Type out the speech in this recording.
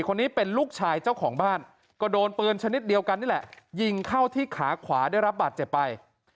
คนนี้เป็นลูกชายเจ้าของบ้านก็โดนปืนชนิดเดียวกันนี่แหละยิงเข้าที่ขาขวาได้รับบาดเจ็บไป